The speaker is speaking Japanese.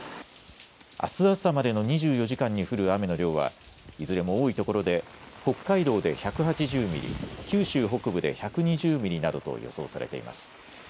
あす朝までの２４時間に降る雨の量はいずれも多いところで北海道で１８０ミリ、九州北部で１２０ミリなどと予想されています。